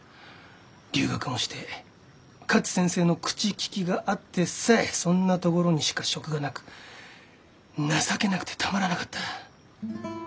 留学もして勝先生の口利きがあってさえそんなところにしか職がなく情けなくてたまらなかった。